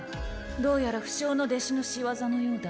どうやら不肖の弟子の仕業のようだ。